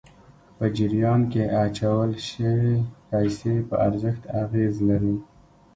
په جریان کې اچول شويې پیسې په ارزښت اغېز لري.